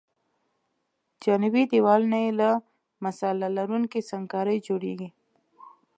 جانبي دیوالونه یې له مصالحه لرونکې سنګ کارۍ جوړیږي